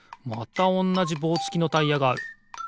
またおんなじぼうつきのタイヤがある。